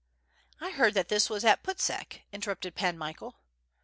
"I heard that this was at Putsek," interrupted Pan Michael.